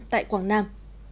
tại quảng nam